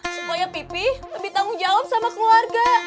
supaya pipi lebih tanggung jawab sama keluarga